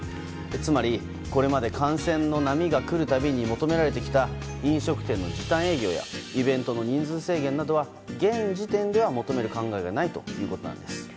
つまり、これまで感染の波が来るたびに求められてきた飲食店の時短営業やイベントの人数制限などは現時点で求める考えはないということです。